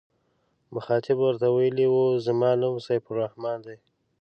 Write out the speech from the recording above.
مخاطب ورته ویلي و زما نوم سیف الرحمن دی.